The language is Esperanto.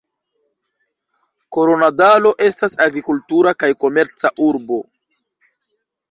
Koronadalo estas agrikultura kaj komerca urbo.